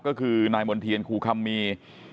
ก็คือนายมณ์เทียนครูคัมมี